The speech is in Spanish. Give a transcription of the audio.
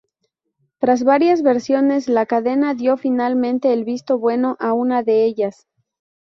Tras varias versiones la cadena dio finalmente el visto bueno a una de ellas.